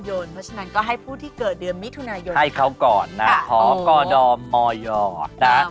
เพราะฉะนั้นก็ให้ผู้ที่เกิดเดือนมิถุนายนให้เขาก่อนนะขอกดมยนะ